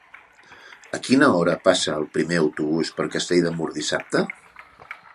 A quina hora passa el primer autobús per Castell de Mur dissabte?